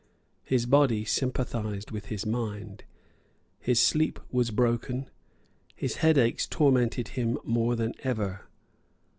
His body sympathised with his mind. His sleep was broken. His headaches tormented him more than ever.